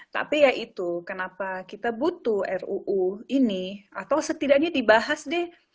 tapi ya itu kenapa kita butuh ruu ini atau setidaknya dibahas deh